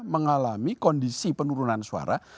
mengalami kondisi penurunan suara